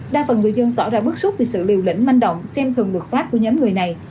đa phần người dân tỏ ra bức xúc vì sự liều lĩnh manh động xem thường luật pháp của nhóm người này